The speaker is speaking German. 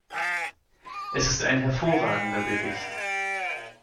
Es ist ein hervorragender Bericht.